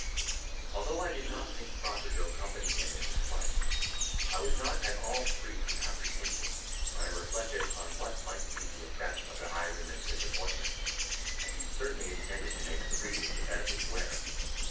Although I did not think proper to accompany him in his flight, I was not at all free from apprehension when I reflected on what might be the effect of the highwayman's disappointment; as he certainly intended to make free with the pedlar's ware.